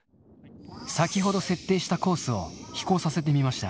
先ほど設定したコースを飛行させてみました。